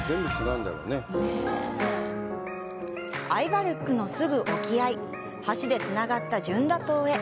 アイヴァルックのすぐ沖合橋でつながったジュンダ島へ。